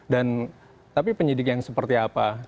dan tapi penyidik yang seperti apa